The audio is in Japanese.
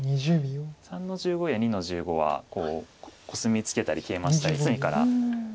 ３の十五や２の十五はコスミツケたりケイマしたり隅から。